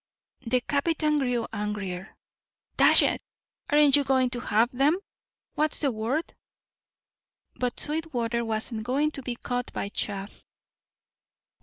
The captain grew angrier. "Dash it! aren't you going to have them? What's the word?" But Sweetwater wasn't going to be caught by chaff.